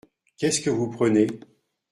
Qu’est-ce que vous prenez ?